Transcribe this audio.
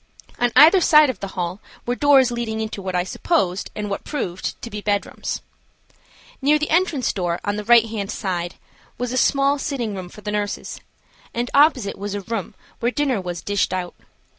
On either side of the hall were doors leading into what I supposed and what proved to be bedrooms. Near the entrance door, on the right hand side, was a small sitting room for the nurses, and opposite it was a room where dinner was dished out.